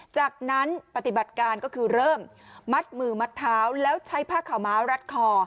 จากนั้นปฏิบัติการก็คือเริ่มมัดมือมัดเท้าแล้วใช้ผ้าขาวม้ารัดคอ